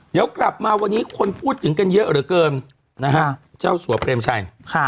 เดี๋ยวกลับมาวันนี้คนพูดถึงกันเยอะเหลือเกินนะฮะเจ้าสัวเปรมชัย